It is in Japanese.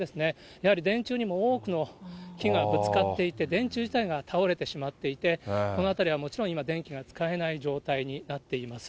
やはり電柱にも多くの木がぶつかっていて、電柱自体が倒れてしまっていて、この辺りはもちろん今、使えない状態になっています。